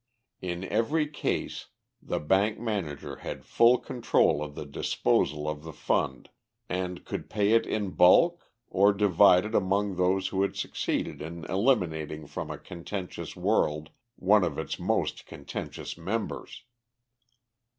In every case the bank manager had full control of the disposal of the fund, and could pay it in bulk, or divide it among those who had succeeded in eliminating from a contentious world one of its most contentious members.